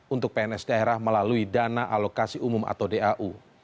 untuk pns daerah melalui dana alokasi umum atau dau